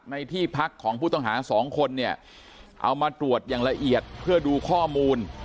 ที่พักของผู้ต้องหาสองคนเนี่ยเอามาตรวจอย่างละเอียดเพื่อดูข้อมูล